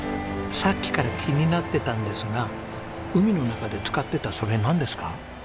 さっきから気になってたんですが海の中で使ってたそれなんですか？